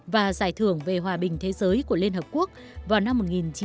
và giải thưởng về hòa bình thế giới của liên hợp quốc vào năm một nghìn chín trăm tám mươi